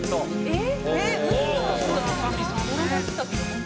「えっ？」